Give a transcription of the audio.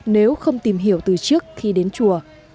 nếu không tìm hiểu từ trước khi đến chùa